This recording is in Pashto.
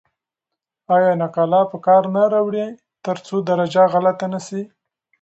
آیا نقاله په کار نه راوړئ ترڅو درجه غلطه نه سی؟